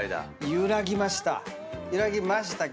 揺らぎました。